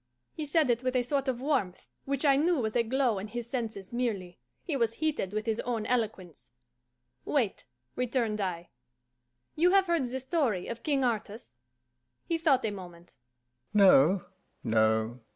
He said it with a sort of warmth, which I knew was a glow in his senses merely; he was heated with his own eloquence. "Wait," returned I. "You have heard the story of King Artus?" He thought a moment. "No, no.